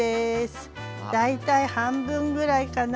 大体半分ぐらいかな